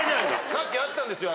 さっきあったんですよ。